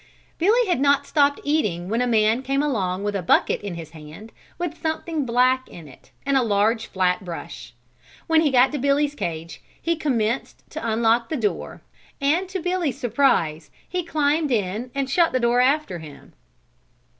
Billy had not stopped eating when a man came along with a bucket in his hand with something black in it and a large flat brush. When he got to Billy's cage he commenced to unlock the door and to Billy's surprise he climbed in and shut the door after him.